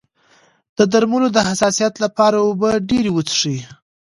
د درملو د حساسیت لپاره اوبه ډیرې وڅښئ